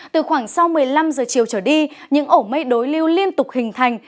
từ khoảng sau một mươi năm giờ chiều trở đi những ổ mây đối lưu liên tục hình thành